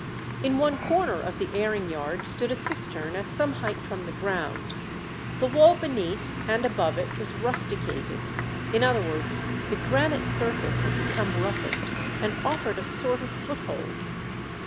In one corner of the airing yard stood a cistern at some height from the ground; the wall beneath and above it was "rusticated," in other words, the granite surface had become roughened, and offered a sort of foothold.